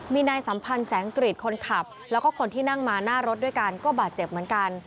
มีนายสัมพันธ์แสงกริจคนขับแล้วก็คนที่นั่งมาหน้ารถด้วยกันก็บาดเจ็บเหมือนกัน